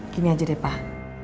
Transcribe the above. gini aja deh pak